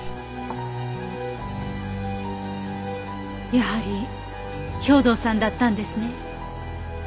やはり兵藤さんだったんですね。